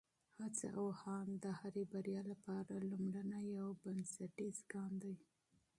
هڅه او هاند د هرې بریا لپاره لومړنی او بنسټیز ګام دی.